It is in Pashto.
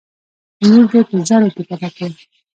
لور دې په زرو کې پټه کړه.